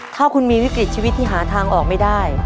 ถ้าคุณมีวิกฤตชีวิตที่หาทางออกไม่ได้